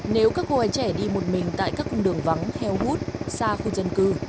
nếu các cô gái trẻ đi một mình tại các cung đường vắng heo hút xa khu dân cư